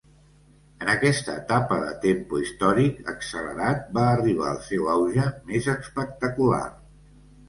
En aquesta etapa de tempo històric accelerat va arribar el seu auge més espectacular.